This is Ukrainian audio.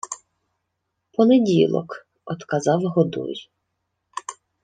— Понеділок, — одказав Годой.